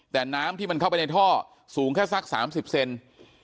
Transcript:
แต่น้ำที่มันเข้าไปในท่อสูงแค่สัก๓๐เซน